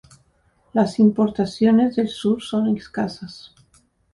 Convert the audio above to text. Las importaciones del sur son escasas.